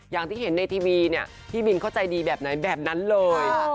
อย่างที่เห็นในทีวีเนี่ยพี่บินเขาใจดีแบบไหนแบบนั้นเลย